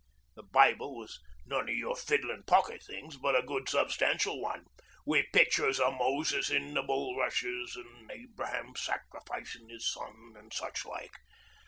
The Bible was none o' your fiddlin' pocket things, but a good substantial one, wi' pitchers o' Moses in the bulrushes an' Abraham scarifyin' 'is son, an' such like.